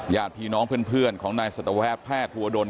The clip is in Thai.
ญาติพี่น้องเพื่อนของนายสัตวแพทย์ภูวดล